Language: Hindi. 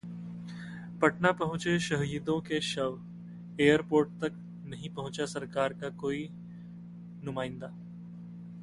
पटना पहुंचे शहीदों के शव, एयरपोर्ट तक नहीं पहुंचा सरकार का कोई नुमाइंदा